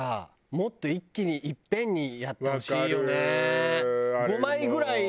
もっと一気にいっぺんにやってほしいよね。